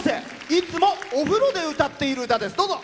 いつもお風呂で歌っている歌です。